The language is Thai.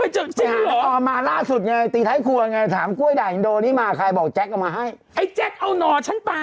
โอ้โหมดมีราคาสิตอนนี้คนเอาทอง๓๐บาทแล้วก็ในการโลเหล็กไปแลกกล้วยด่างน่ะ